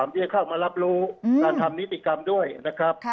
ที่จะเข้ามารับรู้การทำนิติกรรมด้วยนะครับ